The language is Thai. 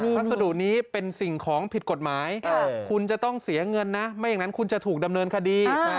พัสดุนี้เป็นสิ่งของผิดกฎหมายคุณจะต้องเสียเงินนะไม่อย่างนั้นคุณจะถูกดำเนินคดี